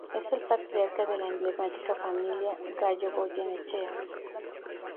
Es el patriarca de la emblemática Familia Gallo Goyenechea.